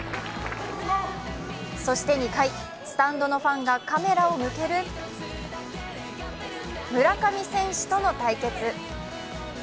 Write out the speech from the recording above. そして２回、スタンドのファンがカメラを向ける村上選手との対決。